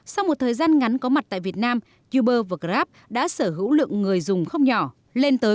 sau một thời gian ngắn có mặt tại việt nam uber và grab đã sở hữu lượng người